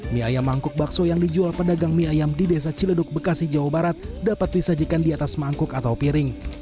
mie ayam mangkuk bakso yang dijual pedagang mie ayam di desa ciledug bekasi jawa barat dapat disajikan di atas mangkuk atau piring